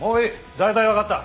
大体わかった。